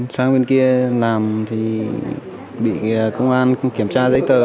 sang bên kia làm thì bị công an kiểm tra giấy tờ